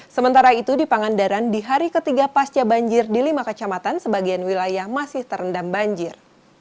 sementara itu di pangandaran di hari ketiga pasca banjir di lima kecamatan sebagian wilayah masih terendam banjir